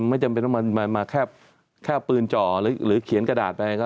ไม่จำเป็นว่ามันแค่ปืนเจาะหรือเขียนกระดาษไป